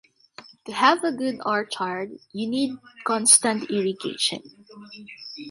To have a good orchard, you need constant irrigation.